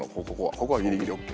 ここはギリギリＯＫ。